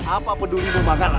apa peduli memakarlah